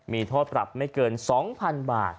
มีโทษปรับไม่เกิน๒๐๐๐บาท